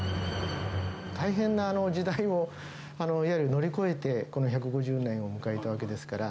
大変な時代を、いわゆる乗り越えて、この１５０年を迎えたわけですから。